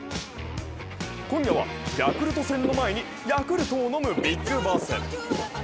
今度はヤクルト戦の前にヤクルトを飲むＢＩＧＢＯＳＳ。